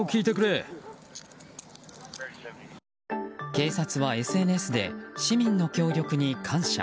警察はＳＮＳで市民の協力に感謝。